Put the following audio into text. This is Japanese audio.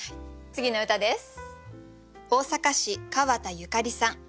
次の歌です。